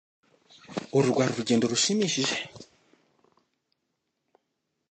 Uru rwari urugendo rushimishije rwose.